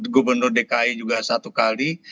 gubernur dki juga satu kali